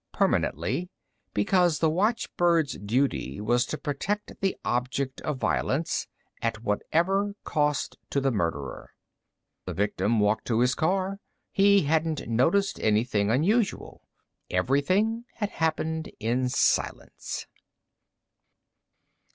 Permanently, because the watchbird's duty was to protect the object of violence at whatever cost to the murderer. The victim walked to his car. He hadn't noticed anything unusual. Everything had happened in silence.